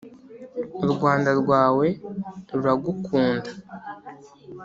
u rwanda rwawe ruragukunda,